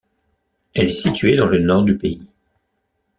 Elle est située dans le nord du pays.